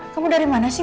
kamu dari mana sih